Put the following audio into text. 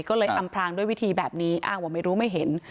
ก็เลยอำพลางด้วยวิธีแบบนี้อ้างว่าไม่รู้ไม่เห็น